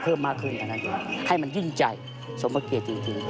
เพิ่มมากขึ้นให้มันยิ่งใจสมเพราะเกียรติจริง